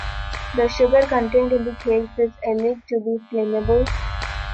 The sugar contained in the cakes is alleged to be flammable.